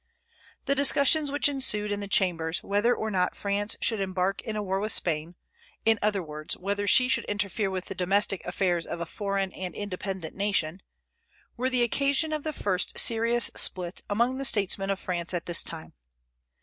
The discussions which ensued in the chambers whether or not France should embark in a war with Spain, in other words, whether she should interfere with the domestic affairs of a foreign and independent nation, were the occasion of the first serious split among the statesmen of France at this time.